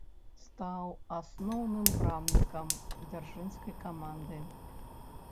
Стаў асноўным брамнікам дзяржынскай каманды.